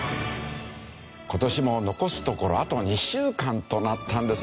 今年も残すところあと２週間となったんですね。